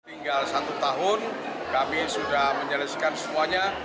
tinggal satu tahun kami sudah menyelesaikan semuanya